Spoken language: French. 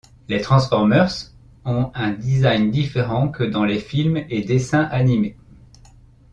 Les Transformers ont un design différent que dans les films et dessins animés.